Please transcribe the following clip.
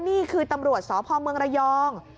นี่คือตำรวจสพเมืองระยอง